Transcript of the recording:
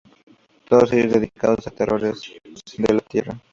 Todos ellos dedicados a toreros de la tierra.